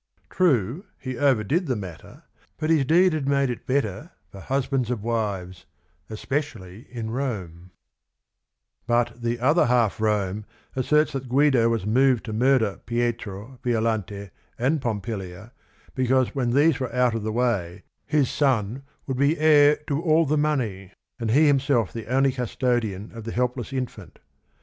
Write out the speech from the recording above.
True, he overdid the matter, but his deed had made it bet ter for "husbands of wives, especially in Rome." 36 THE RING AND THE BOOK But The Other Half Rome asserts that G uido was moved to murder P ietro, Violante, andPom pilia beca use when these were o ut of the way his ggnjgnnlH V»<» tVio Vipir tn all tho pi pnev an d he himse lf the only custod ian of the helpless in fant.